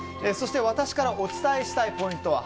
そして私からお伝えしたいポイント